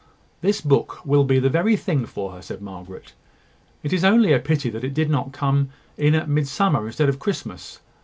"This book will be the very thing for her," said Margaret. "It is only a pity that it did not come in at Midsummer instead of Christmas.